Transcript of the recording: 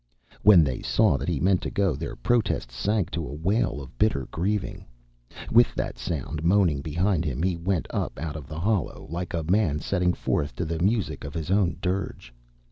When they saw that he meant to go, their protests sank to a wail of bitter grieving. With that sound moaning behind him he went up out of the hollow, like a man setting forth to the music of his own dirge.